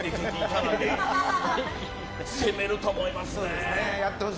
攻めると思います。